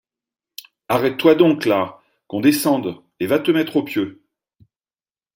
Arrête-toi donc là, qu’on descende, et va te mettre au pieu.